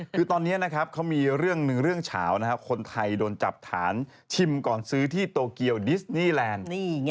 คือตอนนี้นะครับเขามีเรื่องหนึ่งเรื่องเฉานะครับคนไทยโดนจับฐานชิมก่อนซื้อที่โตเกียวดิสนีแลนด์